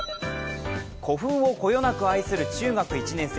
古墳をこよなく愛する中学１年生。